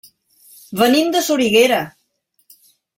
Venim de Soriguera.